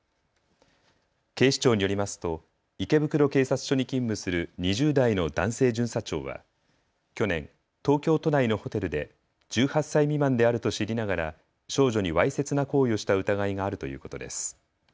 警視庁によりますと池袋警察署に勤務する２０代の男性巡査長は去年、東京都内のホテルで１８歳未満であると知りながら少女にわいせつな行為をした疑いがあるということです。